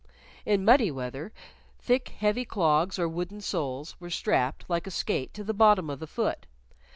In muddy weather thick heavy clogs or wooden soles were strapped, like a skate, to the bottom of the foot.